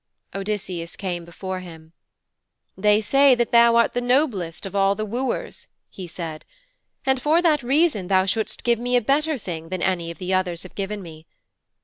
Odysseus came before him. 'They say that thou art the noblest of all the wooers,' he said, 'and for that reason thou shouldst give me a better thing than any of the others have given me.